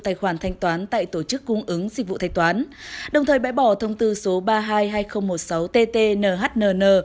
tài khoản thanh toán tại tổ chức cung ứng dịch vụ thanh toán đồng thời bãi bỏ thông tư số ba mươi hai hai nghìn một mươi sáu tt nhnn